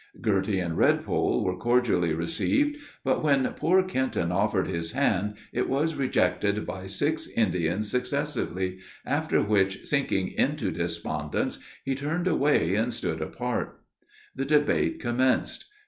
Girty and Redpole were cordially received, but when poor Kenton offered his hand, it was rejected by six Indians successively, after which, sinking into despondence, he turned away, and stood apart. The debate commenced.